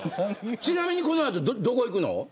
ちなみにこの後、どこに行くの。